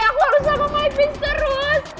aku harus sama my prince terus